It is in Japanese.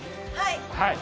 はい。